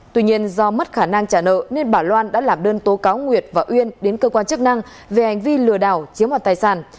tuy nhiên do mất khả năng trả nợ nên bà loan đã làm đơn tố cáo nguyệt và uyên đến cơ quan chức năng về hành vi lừa đảo chiếm hoạt tài sản